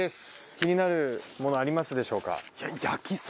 気になるものありますでしょうか？